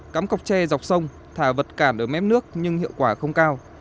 cắm cọc tre dọc sông thả vật cản ở mép nước nhưng hiệu quả không cao